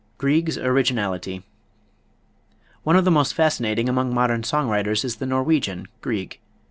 Grieg's Originality. One of the most fascinating among modern song writers is the Norwegian, Grieg.